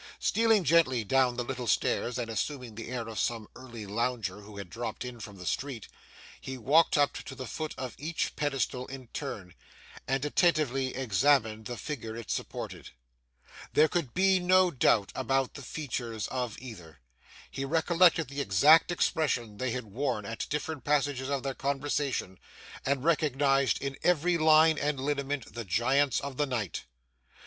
Stealing gently down the little stairs, and assuming the air of some early lounger who had dropped in from the street, he walked up to the foot of each pedestal in turn, and attentively examined the figure it supported. There could be no doubt about the features of either; he recollected the exact expression they had worn at different passages of their conversation, and recognised in every line and lineament the Giants of the night.